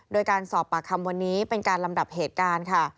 โดยการสอบปากคำวันนี้เป็นการลำดับเหตุการณ์ค่ะ